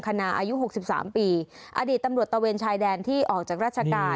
ขณะอายุ๖๓ปีอดีตตำรวจตะเวนชายแดนที่ออกจากราชการ